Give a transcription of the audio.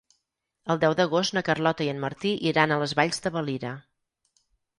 El deu d'agost na Carlota i en Martí iran a les Valls de Valira.